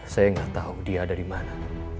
saya gak tau dia ada di mana